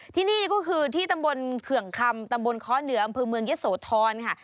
ที่นี่ก็คือที่ตำบลเขื่องคำตำบลค้อเหนืออำเภอเมืองยะโสธรค่ะ